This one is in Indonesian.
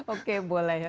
oke boleh ya